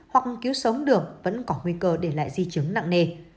hoặc cứu sống được vẫn có nguy cơ để lại di chứng nặng nề